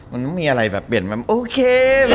มันมีอะไรแบบเปลี่ยนแบบโอเค